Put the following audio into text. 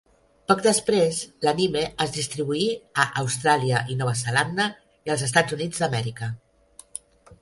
Poc després, l'anime es distribuí a Austràlia i Nova Zelanda i els Estats Units d'Amèrica.